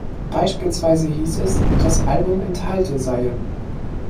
Beispielsweise hieß es, das Album enthalte seien.